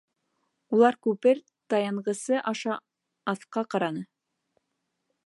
Улар күпер таянғысы аша аҫҡа ҡараны.